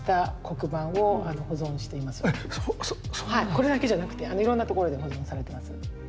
これだけじゃなくていろんなところで保存されてます。